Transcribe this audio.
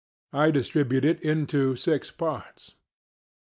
I distribute it into six parts.